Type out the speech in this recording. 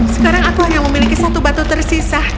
sekarang aku hanya memiliki satu batu tersisa